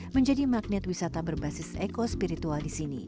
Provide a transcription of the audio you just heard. menjadi magnet wisata berbasis ekospiritual di sini